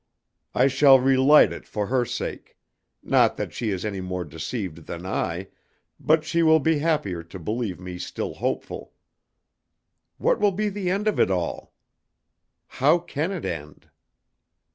I shall re light it for her sake; not that she is any more deceived than I, but she will be happier to believe me still hopeful. What will be the end of it all? How can it end?"